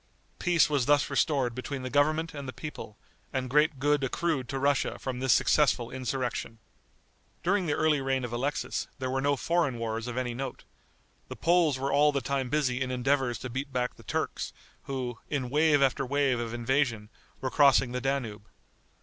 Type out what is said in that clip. Peace was thus restored between the government and the people, and great good accrued to Russia from this successful insurrection. During the early reign of Alexis, there were no foreign wars of any note. The Poles were all the time busy in endeavors to beat back the Turks, who, in wave after wave of invasion, were crossing the Danube.